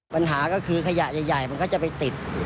ปัญหาก็คือขยะใหญ่มันก็จะไปติด